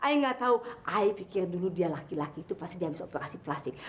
ayah nggak tahu ayah pikir dulu dia laki laki itu pasti dia harus operasi plastik